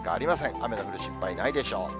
雨が降る心配ないでしょう。